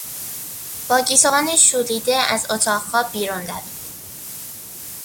با گیسوان ژولیده از اتاق خواب بیرون دوید.